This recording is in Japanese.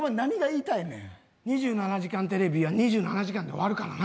２７時間テレビなら２７時間で終わるからな。